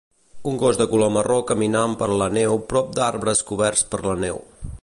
Un gos de color marró caminant per la neu prop d"arbres coberts per la neu.